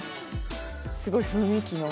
すごい雰囲気の。